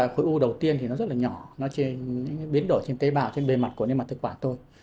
khối u đầu tiên rất nhỏ biến đổi trên tế bào trên bề mặt của niêm mặt thực quản thôi